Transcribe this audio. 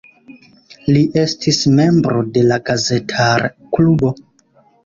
Li estis membro de la Gazetar-klubo.